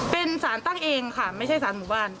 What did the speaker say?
เป็นสารตั้งเองค่ะไม่ใช่สารหมู่บ้าน